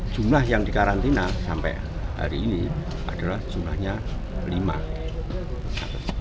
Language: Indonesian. jumlah yang dikarantina sampai hari ini adalah jumlahnya lima ratus